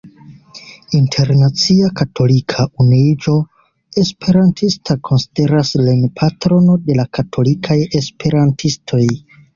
Internacia Katolika Unuiĝo Esperantista konsideras lin patrono de la katolikaj esperantistoj.